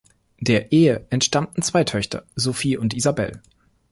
Der Ehe entstammten zwei Töchter, Sophie und Isabelle.